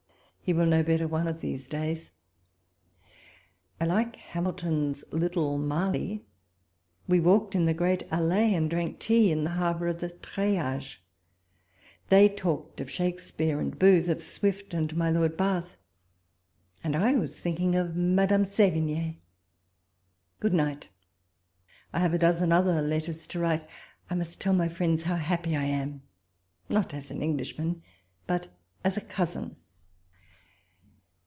He will know better one of these days. I like Hamilton's little Marly ; we walked in the great allee, and drank tea in the arbour of treillage ; they talked of Shakspeare and Booth, of Swift and mv Lord Bath, and I was thinking of Madame Sevigne. Good night— I have a dozen other letters to write ; I must tell my friends how happy I am— not as an Englishman, but as a cousin.